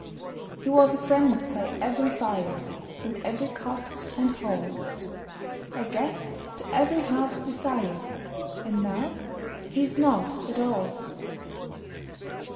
He was a friend by every fire, In every cot and hall A guest to every heart's desire, And now he's nought at all.